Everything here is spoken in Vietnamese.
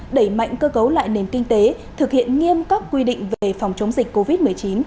đẩy mạnh cơ cấu lại nền kinh tế thực hiện nghiêm các quy định về phòng chống dịch covid một mươi chín